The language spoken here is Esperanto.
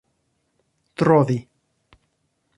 trovi